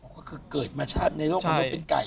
ก็คือเกิดมาชาติในโลกมนุษย์เป็นไก่